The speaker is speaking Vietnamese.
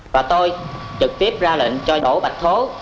và tôi trực tiếp ra lệnh cho đỗ bạch thố